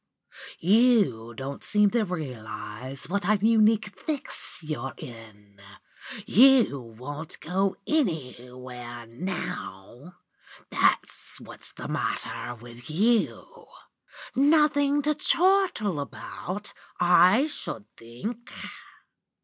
You don't seem to realise what a unique fix you're in. You won't go anywhere now! That's what's the matter with you. Nothing to chortle about, I should think?